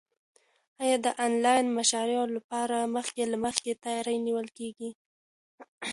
ایا د انلاین مشاعرو لپاره مخکې له مخکې تیاری نیول کیږي؟